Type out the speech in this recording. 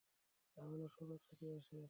ঝামেলা সব একসাথেই আসে।